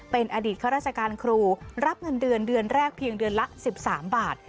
เป็นอดีตข้าราชการครูรับเงินเดือนเดือนแรกเพียงเดือนละ๑๓บาท